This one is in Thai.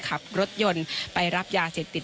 ขับรถยนต์ไปรับยาเสพติด